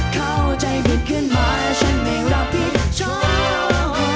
เข้าใจผิดขึ้นมาฉันเองรับผิดชอบเรา